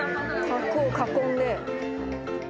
卓を囲んで？